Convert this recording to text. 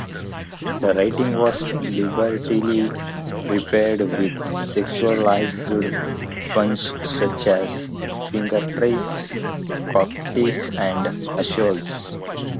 The writing was liberally peppered with sexualized puns such as "fingertits", "cocktit" and "assoul".